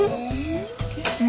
え。